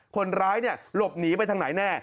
คนร้ายหลบหนีไปทางไหนแน่